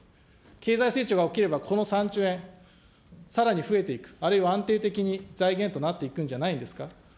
経済成長がおきれば、この３兆円、さらに増えていく、あるいは安定的に財源となっていくんじゃないですか。